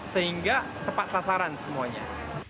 sehingga tepat sasaran semuanya